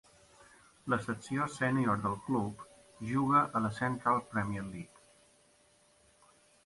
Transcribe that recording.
La secció sènior del club juga a la Central Premier League.